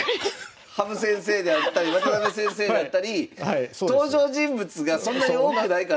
羽生先生であったり渡辺先生であったり登場人物がそんなに多くないから。